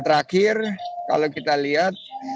terakhir kalau kita lihat